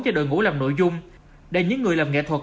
cho đội ngũ làm nội dung để những người làm nghệ thuật